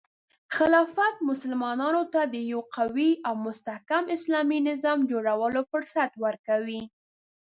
خلافت مسلمانانو ته د یو قوي او مستحکم اسلامي نظام جوړولو فرصت ورکوي.